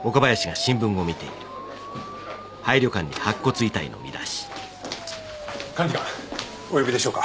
管理官お呼びでしょうか？